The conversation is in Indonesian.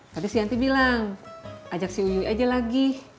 tadi si yanti bilang ajak si uui aja lagi